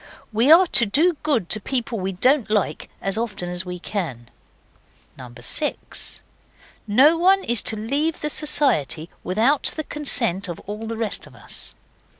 We are to do good to people we don't like as often as we can. 6. No one is to leave the Society without the consent of all the rest of us.